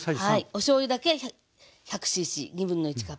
おしょうゆだけ１００ｃｃ1/2カップね。